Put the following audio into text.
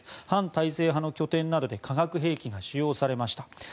反体制派の拠点などで化学兵器が使用されました。